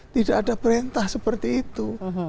tidak ada perintah seperti itu